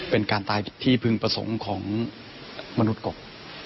เป็นการตายที่พึงประสงค์ของมนุษย์กบ